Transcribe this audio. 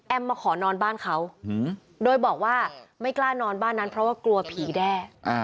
มาขอนอนบ้านเขาโดยบอกว่าไม่กล้านอนบ้านนั้นเพราะว่ากลัวผีแด้